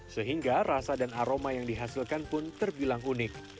sehingga rasa dan aroma yang dihasilkan pun terbilang unik